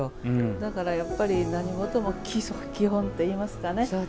だからやっぱり何事も基礎が基本といいますかね。